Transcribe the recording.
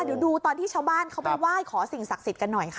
เดี๋ยวดูตอนที่ชาวบ้านเขาไปไหว้ขอสิ่งศักดิ์สิทธิ์กันหน่อยค่ะ